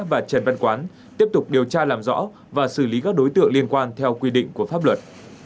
và trần văn quán tiếp tục điều tra làm rõ và xử lý các đối tượng liên quan theo quy định của pháp luật